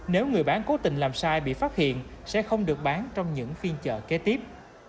nếu người bán cố tình làm sai bị phát hiện sẽ không được bán trong những phiên chợ kế tiếp